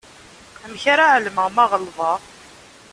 Amek ara εelmeɣ ma ɣelḍeɣ?